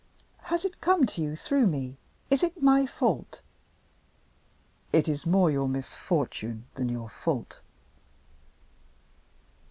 "Has it come to you through me? Is it my fault?" "It is more your misfortune than your fault."